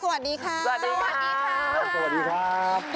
สวัสดีค่ะสวัสดีค่ะสวัสดีค่ะสวัสดีค่ะ